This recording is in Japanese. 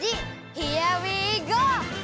ヒアウィーゴー！